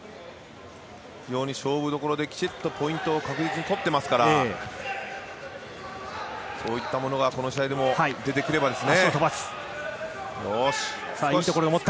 非常に勝負どころできちっとポイントを確実に取ってますからそういったものがこの試合でも出てくればですね。